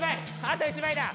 あと１枚だ！